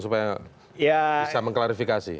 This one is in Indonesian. supaya bisa mengklarifikasi